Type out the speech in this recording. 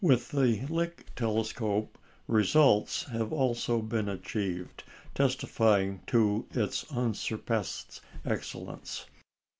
With the Lick telescope results have also been achieved testifying to its unsurpassed excellence.